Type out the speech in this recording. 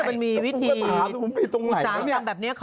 มันมีวิธีอุตสาหกรรมแบบนี้